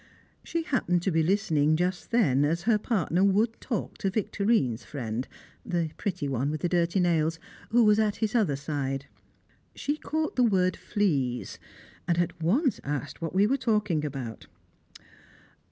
She happened to be listening just then, as her partner would talk to Victorine's friend the pretty one with the dirty nails who was at his other side. She caught the word "fleas," and at once asked what we were talking about.